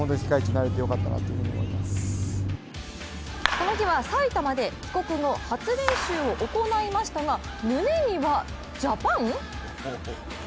この日は、埼玉で帰国後、初練習を行いましたが胸には、ＪＡＰＡＮ！？